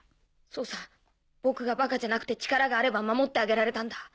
そうさ僕がバカじゃなくて力があれば守ってあげられたんだ。